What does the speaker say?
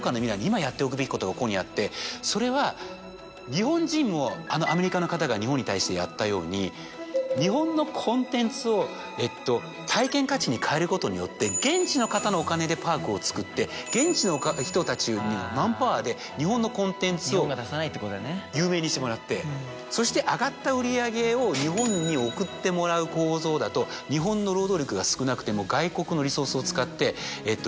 がここにあってそれは日本人もあのアメリカの方が日本に対してやったように日本のコンテンツをえっと体験価値に変えることによって現地の方のお金でパークを造って現地の人たちのマンパワーで日本のコンテンツを有名にしてもらってそして上がった売り上げを日本に送ってもらう構造だと日本の労働力が少なくても外国のリソースを使って。